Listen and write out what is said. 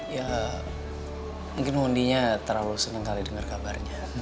ya mungkin mondinya terlalu seneng kali denger kabarnya